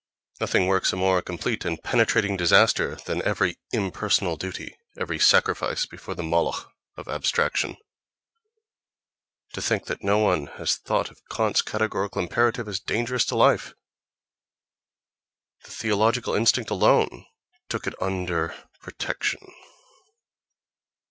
Nothing works a more complete and penetrating disaster than every "impersonal" duty, every sacrifice before the Moloch of abstraction.—To think that no one has thought of Kant's categorical imperative as dangerous to life!... The theological instinct alone took it under protection!